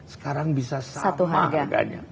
sekarang bisa sama harganya